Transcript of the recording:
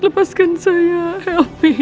lepaskan saya help me